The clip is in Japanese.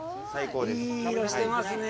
最高です。